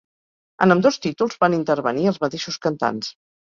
En ambdós títols van intervenir els mateixos cantants.